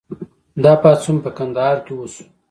دا پاڅون په کندهار کې وشو.